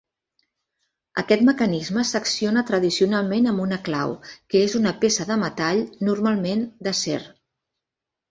Aquest mecanisme s'acciona tradicionalment amb una clau, que és una peça de metall, normalment d'acer.